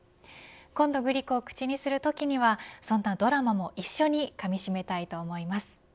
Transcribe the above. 今度、グリコを口にするときにもそんなドラマも一緒にかみしめたいと思います。